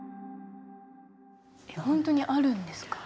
ほんとにあるんですか？